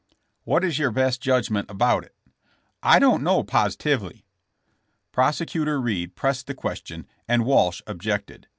What is your best judgment about it?" *'I do not know positively.*' Prosecutor Reed pressed the question and Walsh objected.